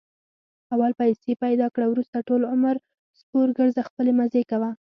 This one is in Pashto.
اول پیسې پیدا کړه، ورسته ټول عمر سپورګرځه خپلې مزې کوه.